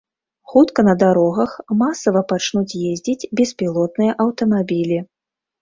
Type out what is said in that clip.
Хутка на дарогах масава пачнуць ездзіць беспілотныя аўтамабілі.